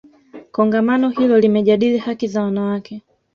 kongamano hilo limejadili haki za wanawake